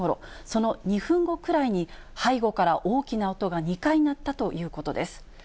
その２分後くらいに、背後から大きな音が２回鳴ったということです。